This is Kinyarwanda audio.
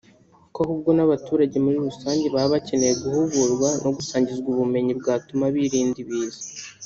ko ahubwo n’abaturage muri rusange baba bakeneye guhugurwa no gusangizwa ubumenyi bwatuma birinda ibiza